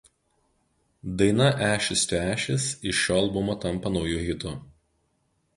Daina „Ashes to Ashes“ iš šio albumo tampa nauju hitu.